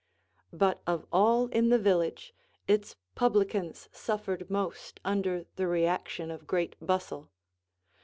But of all in the village, its publicans suffered most under the reaction of great bustle.